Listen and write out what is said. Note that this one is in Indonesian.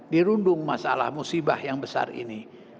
dirundung masalah musibah yang besar ini